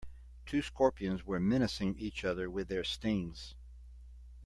Two scorpions were menacing each other with their stings.